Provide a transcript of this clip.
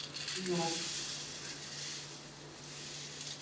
Nyron.